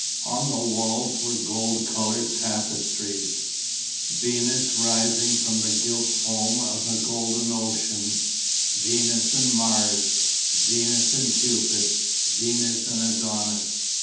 On the walls were gold coloured tapestries: Venus rising from the gilt foam of a golden ocean, Venus and Mars, Venus and Cupid, Venus and Adonis.